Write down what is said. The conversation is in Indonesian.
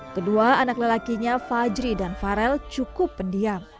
kedua anak lelakinya fajri dan farel cukup pendiam